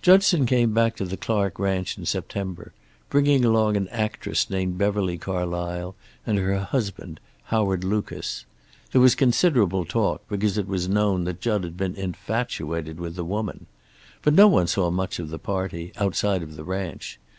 "Judson came back to the Clark ranch in September, bringing along an actress named Beverly Carlysle, and her husband, Howard Lucas. There was considerable talk, because it was known Jud had been infatuated with the woman. But no one saw much of the party, outside of the ranch.